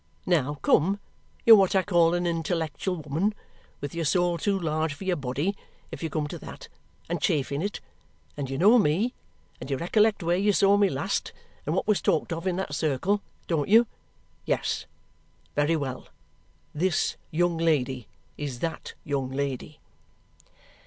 Now, come, you're what I call an intellectual woman with your soul too large for your body, if you come to that, and chafing it and you know me, and you recollect where you saw me last, and what was talked of in that circle. Don't you? Yes! Very well. This young lady is that young lady."